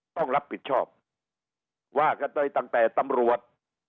ต้องรับผิดชอบว่ากันไปตั้งแต่ตำรวจ